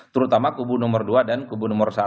terutama kubu nomor dua dan kubu nomor satu